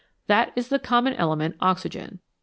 That is the common element oxygen.